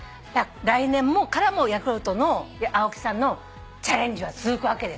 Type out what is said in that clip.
来年からもヤクルトの青木さんのチャレンジは続くわけですよ。